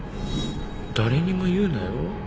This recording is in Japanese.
誰にも言うなよ